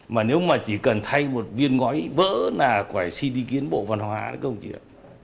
mà nếu mà chỉ cần thay một viên ngói vỡ là phải xin đi kiến bộ văn hóa đấy các hồng chí ạ